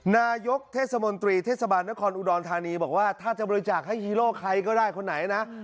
นายกเทศมนตรีเทศบาลนครอุดรธานีบอกว่าถ้าจะบริจาคให้ฮีโร่ใครก็ได้คนไหนนะ